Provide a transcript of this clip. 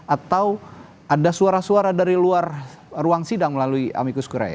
atau ada suara suara dari luar ruang sidang melalui amikus gerai